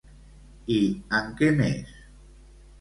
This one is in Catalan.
I en què més?